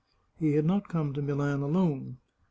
He had not come to Milan alone.